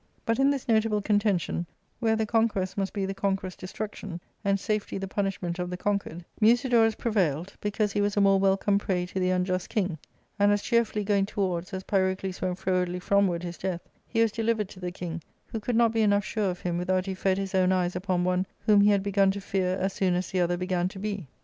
But in this notable contention, where the conquest must be the conqueror's destruction, and safety the punishment of the conquered, Musidorus prevailed, because he was a more welcome prey to the unjust king ; and as cheerfully going towards, as Pyrocles went frowardly fromward his death, he was delivered to the king, who could not be enough sure of him without he fed his own eyes upon one whom he had began to fear as soon as the other began to be.